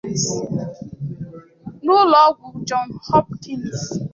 n’ụlọ ọgwụ John Hopkins